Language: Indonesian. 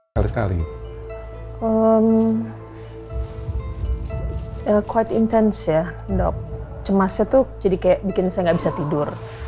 cemasnya itu jadi kayak bikin saya gak bisa tidur